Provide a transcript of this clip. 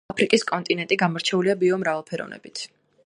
აფრიკის კონტინენტი გამორჩეულია ბიომრავალფეროვნებით